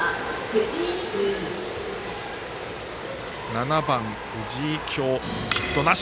７番、藤井、今日ヒットなし。